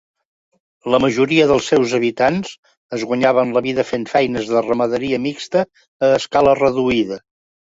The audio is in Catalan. La majoria dels seus habitants es guanyaven la vida fent feines de ramaderia mixta a escala reduïda.